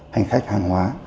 hành khách hàng hóa